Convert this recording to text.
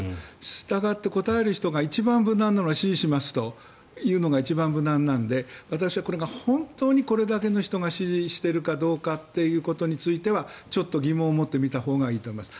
従って答える人が一番無難なのは支持しますと答えるのが一番無難なので、私はこれが本当にこれだけの人が支持しているかどうかということについてはちょっと疑問を持って見たほうがいいと思います。